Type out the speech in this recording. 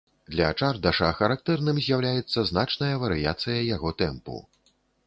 Для чардаша характэрным з'яўляецца значная варыяцыя яго тэмпу.